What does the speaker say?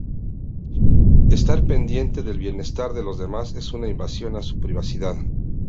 Estar pendiente del bienestar de los demás es una invasión a su privacidad.